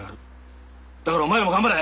だからお前らも頑張れ！